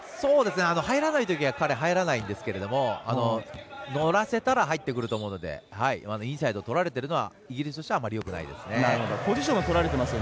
入らないときは、彼入らないんですけど乗らせたら入ってくると思うのでインサイドとられているのはイギリスとしてはよくないんじゃないですか。